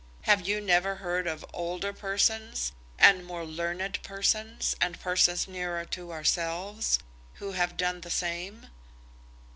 Have you never heard of older persons, and more learned persons, and persons nearer to ourselves, who have done the same?"